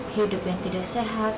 hidup yang tidak sehat